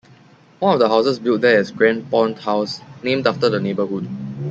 One of the houses built there is Grandpont House named after the neighbourhood.